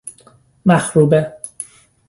مخروبه